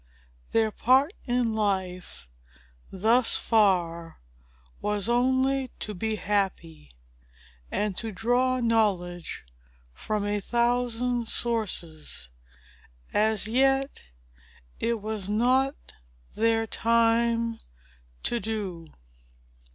Their part in life, thus far, was only to be happy, and to draw knowledge from a thousand sources. As yet, it was not their time to do.